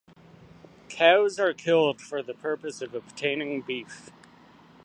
Cows are killed for the purpose of obtaining beef.